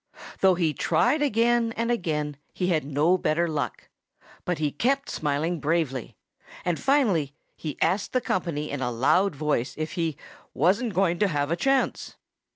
Though he tried again and again, he had no better luck. But he kept smiling bravely. And finally he asked the company in a loud voice if he "wasn't going to have a chance."